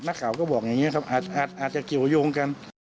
นักข่าวก็บอกอย่างนี้ครับอาจจะเกี่ยวยงกัน